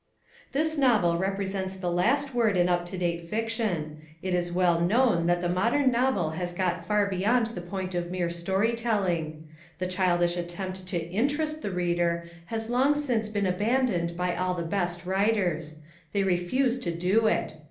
This novel represents the last word in up to date fiction. It is well known that the modern novel has got far beyond the point of mere story telling. The childish attempt to INTEREST the reader has long since been abandoned by all the best writers. They refuse to do it.